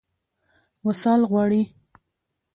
وصال غواړي.